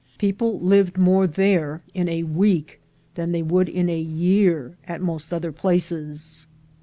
People lived more there in a week than they would in a year in most other places.